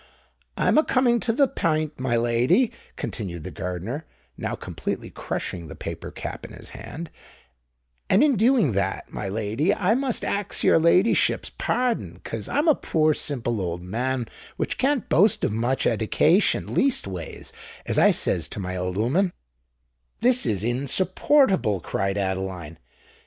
"I'm a coming to the pint, my lady," continued the gardener, now completely crushing the paper cap in his hand; "and in doing that, my lady, I must ax your ladyship's pardon—'cos I'm a poor simple old man which can't boast of much edication—leastways, as I says to my old 'ooman——" "This is insupportable!" cried Adeline.